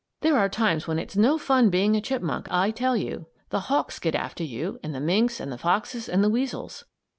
There are times when it's no fun being a chipmunk, I tell you. The hawks get after you, and the minks and the foxes and the weasels.